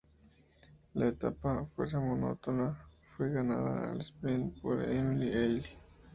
La etapa, fuerza monótona, fue ganada al sprint por Émile Engel.